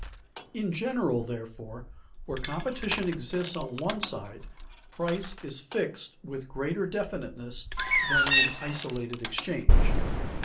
In general, therefore, where competition exists on one side, price is fixed with greater definiteness than in isolated exchange.